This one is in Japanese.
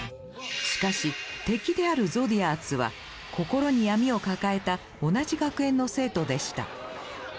しかし敵であるゾディアーツは心に闇を抱えた同じ学園の生徒でした。